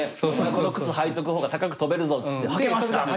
この靴履いとく方が高く飛べるぞっつって履けました。